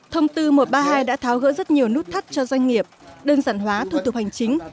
thông tư một trăm ba mươi hai đã tháo gỡ rất nhiều nút thắt cho doanh nghiệp đơn giản hóa thủ tục hành chính